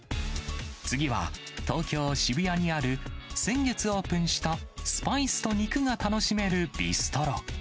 次は、東京・渋谷にある、先月オープンした、スパイスと肉が楽しめるビストロ。